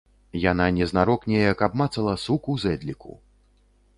Яна незнарок неяк абмацала сук у зэдліку.